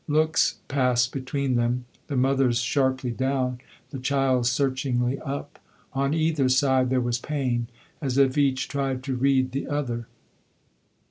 Looks passed between them; the mother's sharply down, the child's searchingly up. On either side there was pain, as if each tried to read the other.